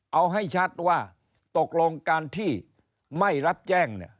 เอาให้ชัดว่าตกลงการที่ไม่รับแจ้งเนี่ย